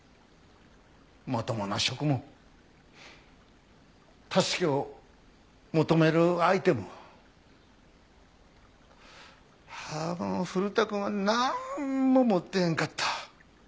まともな職も助けを求める相手も古田くんはなーんも持ってへんかった。